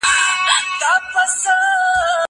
زه به اوږده موده کالي وچولي وم!!